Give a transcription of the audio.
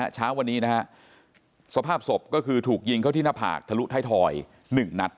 เช้าวันนี้นะฮะสภาพศพก็คือถูกยิงเข้าที่หน้าผากทะลุท้ายทอย๑นัด